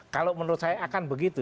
kalau menurut saya akan begitu